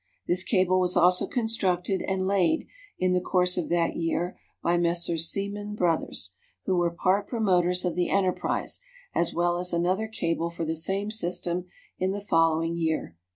This cable was also constructed and laid (in the course of that year) by Messrs. Siemens Brothers, who were part promoters of the enterprise, as well as another cable for the same system in the following year, 1882.